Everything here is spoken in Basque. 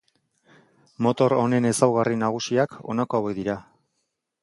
Motor honen ezaugarri nagusiak honako hauek dira.